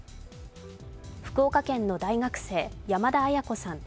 福岡県の大学生山田絢子さん